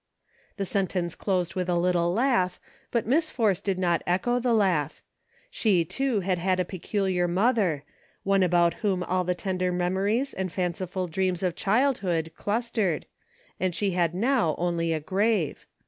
The sentence closed with a little laugh, but Miss Force did not echo the laugh. She too had had a peculiar mother, one about whom all the tender memories and fanciful dreams of childhood, clustered, and she had now only a grave.